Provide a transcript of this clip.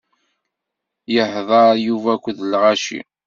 Ihḍeṛ Yuba akked lɣaci.